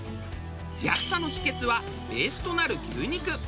安さの秘訣はベースとなる牛肉。